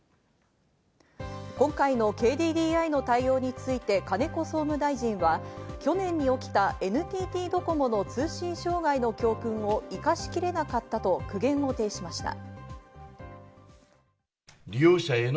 今回のＫＤＤＩの対応について、金子総務大臣は、去年に起きたＮＴＴドコモの通信障害の教訓を生かしきれなかったと苦言を呈しました。